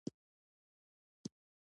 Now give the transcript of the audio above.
د مذهب پر عنصر تکیه نه ده په کار.